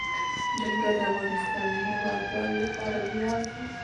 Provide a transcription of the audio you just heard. جلګه د افغانستان د هیوادوالو لپاره ویاړ دی.